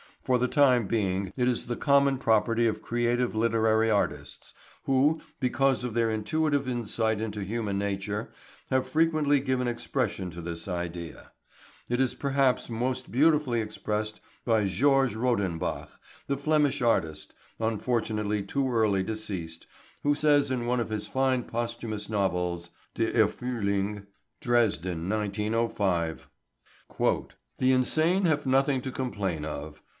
For the time being it is the common property of creative literary artists, who, because of their intuitive insight into human nature, have frequently given expression to this idea. It is perhaps most beautifully expressed by Georges Rodenbach, the Flemish artist, unfortunately too early deceased, who says in one of his fine posthumous novels ("Die Erfüllung," Dresden, 1905): "The insane have nothing to complain of.